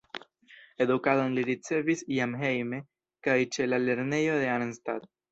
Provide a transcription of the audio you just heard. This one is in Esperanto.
Edukadon li ricevis jam hejme kaj ĉe la lernejo de Arnstadt.